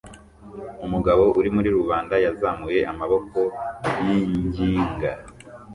Umugabo uri muri rubanda yazamuye amaboko yinginga